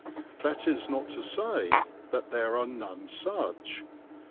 That is not to say that there are none such.